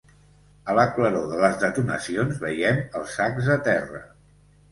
A la claror de les detonacions vèiem els sacs de terra.